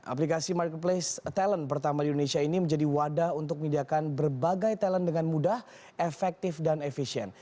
aplikasi marketplace talent pertama di indonesia ini menjadi wadah untuk menyediakan berbagai talent dengan mudah efektif dan efisien